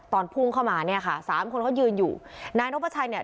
พุ่งเข้ามาเนี่ยค่ะสามคนเขายืนอยู่นายนพชัยเนี่ย